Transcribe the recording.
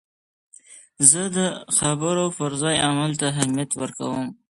زه د خبرو پر ځای عمل ته اهمیت ورکوم.